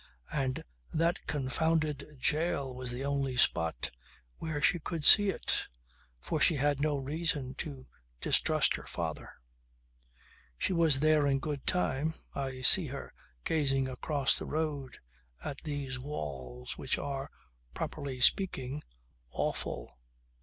And that confounded jail was the only spot where she could see it for she had no reason to distrust her father. She was there in good time. I see her gazing across the road at these walls which are, properly speaking, awful.